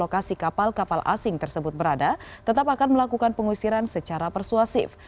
lokasi kapal kapal asing tersebut berada tetap akan melakukan pengusiran secara persuasif